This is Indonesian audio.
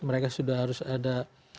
mereka sudah harus ada